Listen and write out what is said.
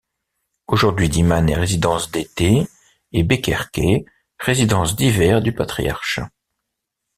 Aujourd'hui, Dimane est résidence d'été et Bkerké résidence d'hiver du patriarche.